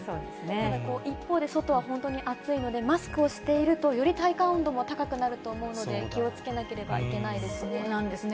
ただ一方で、外は本当に暑いので、マスクをしていると、より体感温度も高くなると思うので、気をつけなければいけないでそうなんですね。